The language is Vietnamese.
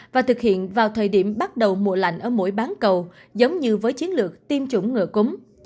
và thực hiện vào thời điểm bắt đầu mùa lạnh ở mũi bán cầu giống như với chiến lược tim chủng ngựa cúng